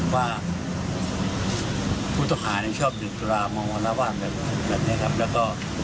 ว่าพุทธคาเนี่ยชอบหยุดตุรามองมาระวังแบบอยู่แล้วก็